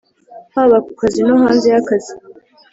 haba ku kazi no hanze y’akazi.